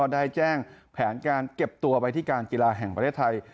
ได้แจ้งแผนเตรียมการเก็บตัวการกีฬาแห่งประเทศไทย